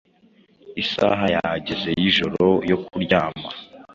isaha yageze y’ijoro yo kuryama,